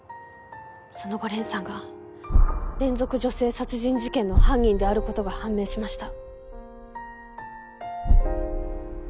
その後蓮さんが連続女性殺人事件の犯人であることが判明しました。